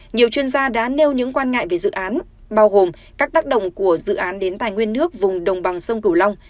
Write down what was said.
nhiều chuyên gia đã nêu những quan ngại về dự án bao gồm các tác động của dự án đến tài nguyên nước vùng đồng bằng sông cửu long